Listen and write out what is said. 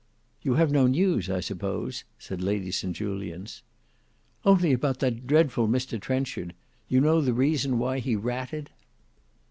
"You have no news, I suppose," said Lady St Julians. "Only about that dreadful Mr Trenchard; you know the reason why he ratted?"